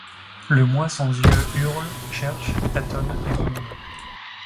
Le moi sans yeux hurle, cherche, tâtonne et ronge.